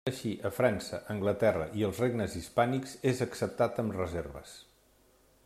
Així, a França, Anglaterra i als regnes hispànics, és acceptat amb reserves.